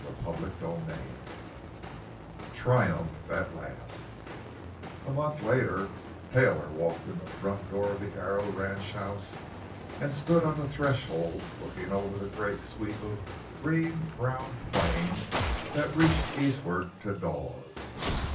CHAPTER XXXV—TRIUMPH AT LAST A month later, Taylor walked to the front door of the Arrow ranchhouse and stood on the threshold looking out over the great sweep of green brown plain that reached eastward to Dawes.